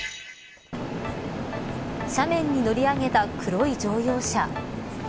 斜面に乗り上げた黒い乗用車。